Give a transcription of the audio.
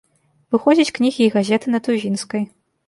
Выходзяць кнігі і газеты на тувінскай.